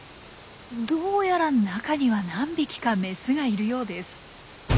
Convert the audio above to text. どうやら中には何匹かメスがいるようです。